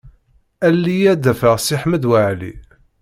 Alel-iyi ad d-afeɣ Si Ḥmed Waɛli.